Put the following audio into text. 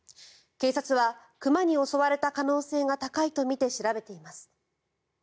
警察は、熊に襲われた可能性が高いとみて調べています。